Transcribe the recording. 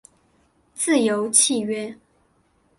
自由契约。